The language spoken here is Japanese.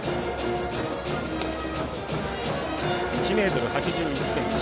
１ｍ８１ｃｍ